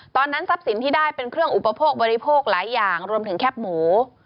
ตอนนั้นทรัพย์สินที่ได้เป็นเครื่องอุปโภคบริโภคหลายอย่างรวมถึงแคบหมู